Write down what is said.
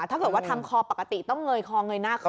ถ้าเกิดว่าทำคอปกติต้องเงยคอเงยหน้าคอ